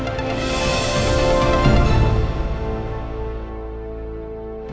jangan sampai dia ada di telinga